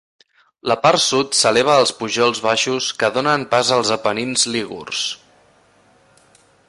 La part sud s'eleva als pujols baixos que donen pas als Apenins lígurs.